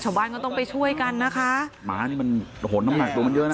ชาวบ้านก็ต้องไปช่วยกันนะคะหมานี่มันโอ้โหน้ำหนักตัวมันเยอะนะ